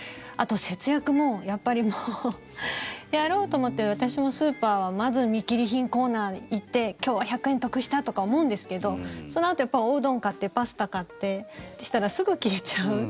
あと、節約もやっぱりやろうと思って私もスーパーはまず見切り品コーナーに行って今日は１００円得したとか思うんですけどそのあと、おうどん買ってパスタ買ってってしたらすぐ消えちゃう。